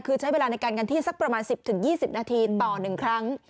คือใช้เวลาในการกันที่สักประมาณ๑๐๒๐นาทีต่อ๑ครั้ง